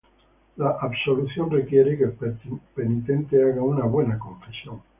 La absolución requiere que el penitente haga una buena confesión.